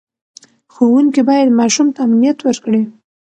ښوونکي باید ماشوم ته امنیت ورکړي.